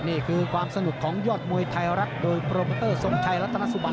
นี่คือความสนุกของยอดมวยไทยรัฐโดยโปรโมเตอร์ทรงชัยรัตนสุบัน